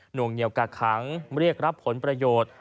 วงเหนียวกักขังเรียกรับผลประโยชน์